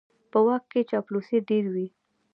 په واک کې چاپلوسي ډېره وي.